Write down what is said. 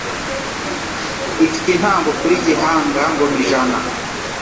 ifite intango kuri Gihanga Ngomijana,